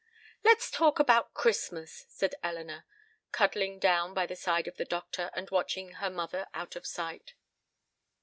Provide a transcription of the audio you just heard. "Let's talk about Christmas," said Elinor, cuddling down by the side of the doctor, after watching her mother out of sight.